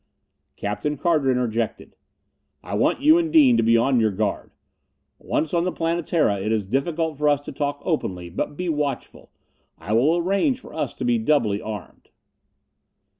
Captain Carter interjected, "I want you and Dean to be on your guard. Once on the Planetara it is difficult for us to talk openly, but be watchful. I will arrange for us to be doubly armed."